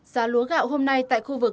giá lúa gạo hôm nay tại khu vực